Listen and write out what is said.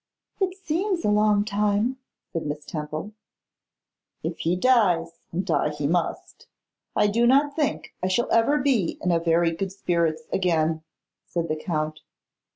'It seems a long time,' said Miss Temple. 'If he dies, and die he must, I do not think I shall ever be in very good spirits again,' said the Count.